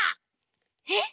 えっ！？